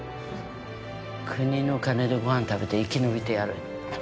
国の金でご飯食べて生き延びてやる。